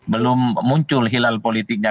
belum muncul hilal politiknya